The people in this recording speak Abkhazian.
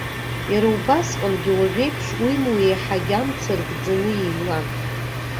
Иара убасҟангьы, уажәеиԥш, уимоу еиҳагьы амца аркӡаны еилан.